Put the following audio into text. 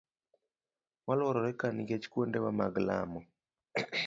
Waluorore ka nikech kuondewa mag lamo.